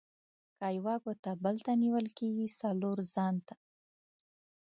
که یوه ګوته بل ته نيول کېږي؛ :څلور ځان ته.